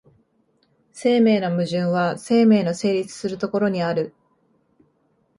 生命の矛盾は生命の成立する所にある。